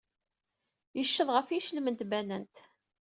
Yecceḍ ɣef yeclem n tbanant.